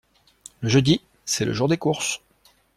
Le jeudi, c'est le jour des courses.